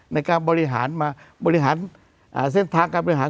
ในการบริหารมาบริหารเส้นทางการบริหาร